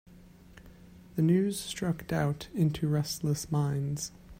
The news struck doubt into restless minds.